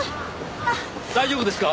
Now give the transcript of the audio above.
大丈夫ですか？